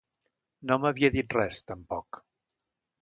No m'havia dit res, tampoc.